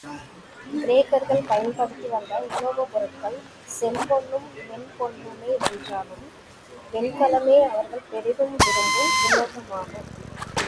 கிரேக்கர்கள் பயன்படுத்தி வந்த உலோகப் பொருள்கள் செம்பொன்னும், வெண்பொன்னுமே என்றாலும், வெண்கலமே அவர்கள் பெரிதும் விரும்பும் உலோகமாகும்.